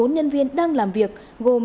bốn nhân viên đang làm việc gồm